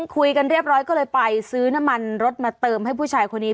ก็เลยไปซื้อน้ำมันรถมาเติมให้ผู้ชายคนนี้